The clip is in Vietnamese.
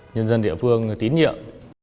nhân dân địa phương tín nhiên